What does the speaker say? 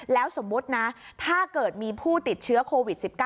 แล้วสมมุตินะถ้าเกิดมีผู้ติดเชื้อโควิด๑๙